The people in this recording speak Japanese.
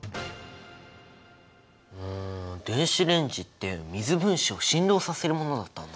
電子レンジって水分子を振動させるものだったんだ。